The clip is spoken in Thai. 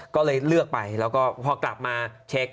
ก็เลยเลือกไปแล้วก็พอกลับมาเช็ค